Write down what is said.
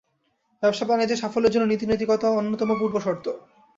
ব্যবসা বাণিজ্যে সাফল্যের জন্য নীতিনৈতিকতা অন্যতম পূর্বশর্ত।